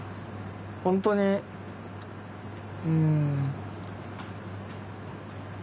本当にうん。